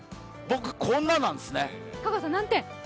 僕、こんななんですね。